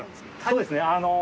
そうですね。